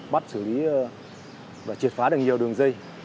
bắt xử lý và triệt phá được nhiều đường dây